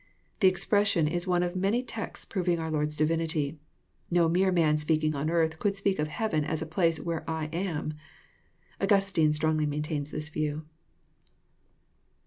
The expression is one of the many texts proving ourJLord's. divinity. No mere man speakingonearth could speafoFheaven as a place " where I am." AugulsCine strongly maintains this view.